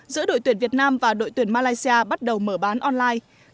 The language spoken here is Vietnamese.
giữa đội tuyển việt nam và đội tuyển malaysia bắt đầu mở bán online